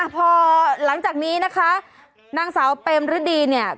พอหลังจากนี้นะคะนางสาวเปรมฤดีเนี่ย